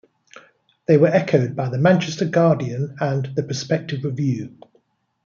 They were echoed by the "Manchester Guardian" and the "Prospective Review".